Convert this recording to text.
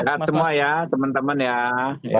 selamat datang semua ya teman teman ya